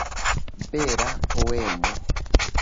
Bela poemo!